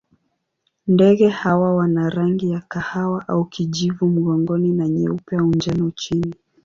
Ndege hawa wana rangi ya kahawa au kijivu mgongoni na nyeupe au njano chini.